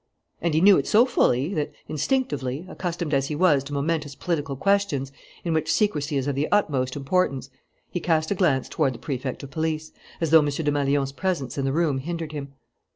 And he knew it so fully that, instinctively, accustomed as he was to momentous political questions in which secrecy is of the utmost importance, he cast a glance toward the Prefect of Police, as though M. Desmalions's presence in the room hindered him.